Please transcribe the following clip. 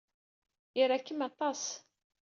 Ira-kem aṭas.